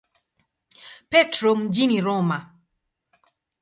Petro mjini Roma.